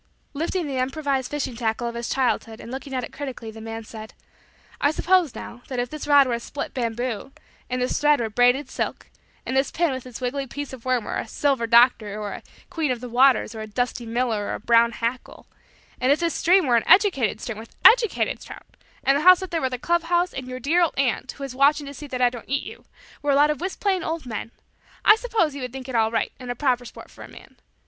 Lifting the improvised fishing tackle of his childhood and looking at it critically the man said: "I suppose, now, that if this rod were a split bamboo, and this thread were braided silk, and this pin with its wiggly piece of worm were a "Silver Doctor" or a "Queen of the Waters" or a "Dusty Miller" or a "Brown Hackle"; and if this stream were an educated stream, with educated trout; and the house up there were a club house; and your dear old aunt, who is watching to see that I don't eat you, were a lot of whist playing old men; I suppose you would think it all right and a proper sport for a man.